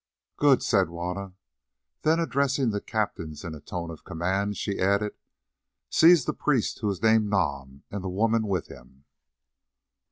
"Good," said Juanna. Then addressing the captains in a tone of command, she added, "Seize that priest who is named Nam, and the woman with him."